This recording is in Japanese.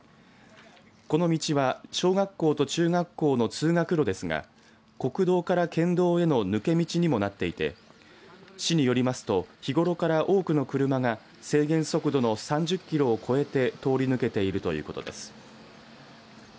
この道は、小学校と中学校の通学路ですが国道から県道への抜け道にもなっていて市によりますと日頃から多くの車が制限速度の３０キロを超えて通り抜けているということです。